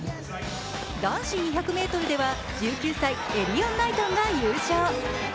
男子２００ｍでは１９歳、エリヨン・ナイトンが優勝。